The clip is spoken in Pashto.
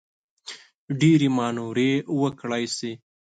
ډېرې مانورې وکړای شي.